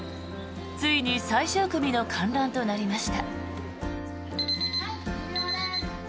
ついに最終組の観覧となりました。